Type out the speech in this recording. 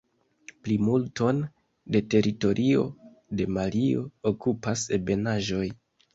Plimulton de teritorio de Malio okupas ebenaĵoj.